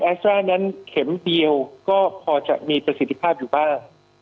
สตรานั้นเข็มเดียวก็พอจะมีประสิทธิภาพอยู่บ้าง